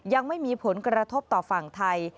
ยังไม่มีผลกระทบต่อฝั่งไทย